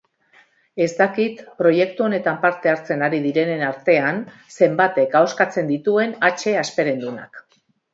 Ez dakit proiektu honetan parte hartzen ari direnen artean zenbatek ahoskatzen dituen hatxe hasperendunak.